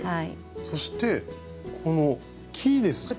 そしてこの木ですか？